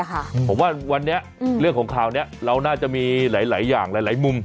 ผมว่าวันนี้เรื่องของข่าวนี้เราน่าจะมีหลายอย่างหลายมุม